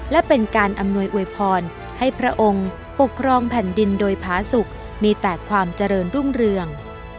และเป็นการอำนวยอวยพรให้พระองค์ปกครองแผ่นดินโดยภาสุขมีแต่ความเจริญรุ่งเรือง